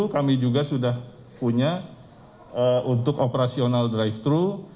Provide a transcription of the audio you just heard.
kami juga sudah punya untuk operasional drive thru